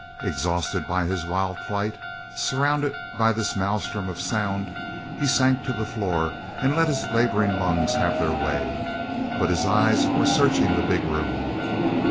Exhausted by his wild flight, surrounded by this maelstrom of sound, he sank to the floor and let his laboring lungs have their way. But his eyes were searching the big room.